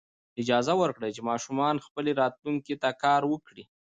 اجازه ورکړئ چې ماشومان خپلې راتلونکې ته کار وکړي.